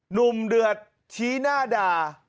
หนุ่มเดือดชี้หน้าด่า